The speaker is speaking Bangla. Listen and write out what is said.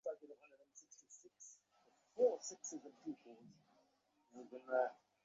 গ্রীকেরা রোমের বহুকাল পদানত হয়েও বিদ্যা-বুদ্ধিতে রোমকদের গুরু ছিল।